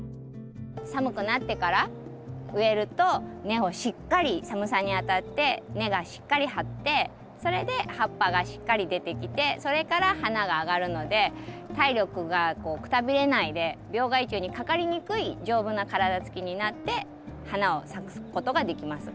寒くなってから植えると根をしっかり寒さにあたって根がしっかり張ってそれで葉っぱがしっかり出てきてそれから花があがるので体力がくたびれないで病害虫にかかりにくい丈夫な体つきになって花を咲かすことができます。